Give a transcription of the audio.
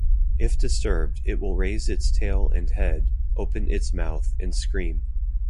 If disturbed it will raise its tail and head, open its mouth and scream.